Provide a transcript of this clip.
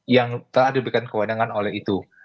yang telah diberikan kewenangan oleh itu